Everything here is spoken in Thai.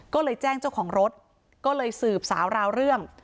ก็เลยแจ้งเจ้าของรถก็เลยสืบสาวราวเรื่อง